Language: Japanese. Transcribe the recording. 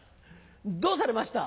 どうされました？